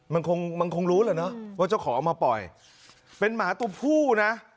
มันคงมันคงรู้แหละเนอะว่าเจ้าของเอามาปล่อยเป็นหมาตัวผู้นะ